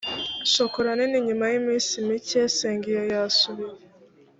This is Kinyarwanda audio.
shokola nini nyuma y iminsi mike sergio yasubiye